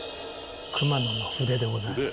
熊野の筆でございます。